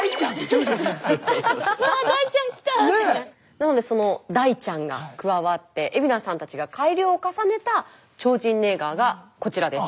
なのでその大ちゃんが加わって海老名さんたちが改良を重ねた超神ネイガーがこちらです。